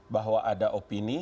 bahwa ada opini